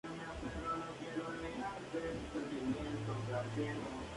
Está formada por las sierras del Camero Viejo y el Camero Nuevo.